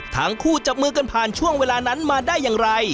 จับมือกันผ่านช่วงเวลานั้นมาได้อย่างไร